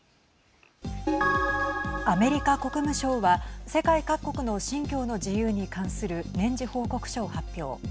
アメリカ国務省は世界各国の信教の自由に関する年次報告書を発表。